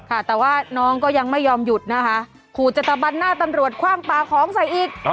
ค่ะแต่ว่าน้องก็ยังไม่ยอมหยุดนะคะขู่จะตะบันหน้าตำรวจคว่างปลาของใส่อีก